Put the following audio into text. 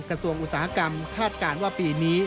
กระทรวงอุตสาหกรรมพาดการณ์ว่าปีนี้